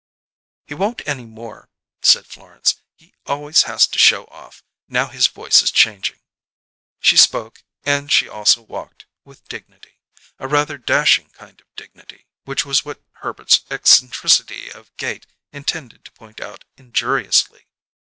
"He won't any more," said Florence. "He always hass to show off, now his voice is changing." She spoke, and she also walked, with dignity a rather dashing kind of dignity, which was what Herbert's eccentricity of gait intended to point out injuriously.